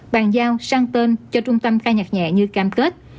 bàn giao sang tên cho trung tâm khai nhạc nhẹ như cam kết